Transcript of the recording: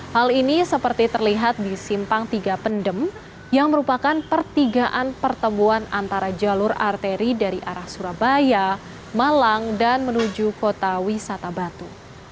hal ini seperti terlihat di simpang tiga pendem yang merupakan pertigaan pertemuan antara jalur arteri dari arah surabaya malang dan menuju kota wisata batu